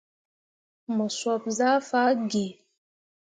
Mo sop zah fah gǝǝ.